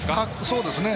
そうですね。